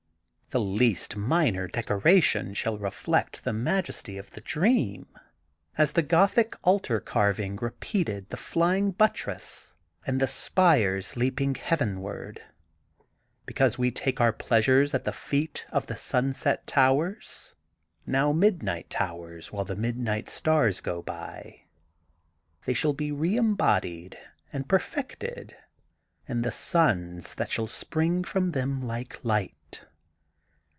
"The least minor decoration shall reflect the majesty of the dream, as the Gothic altar carving repeated the flying buttress and the spires leaping heavenward. Because we take our pleasure at the feet of the Sunset Towers, now * midnight tow ers' while the midnight stars go by, they shall be reembodied and perfected in the sons that shall spring from them like light.